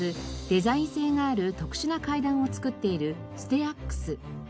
デザイン性がある特殊な階段を作っているステアックス。